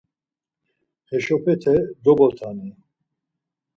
Heşopete dobotani.